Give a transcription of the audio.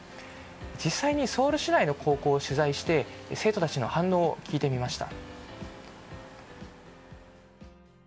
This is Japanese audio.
実際にソウル市内の高校を取材して生徒たちの反応を聞いてみました。